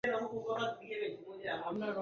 Ni usafi wa maji katika nchi zinazoendelea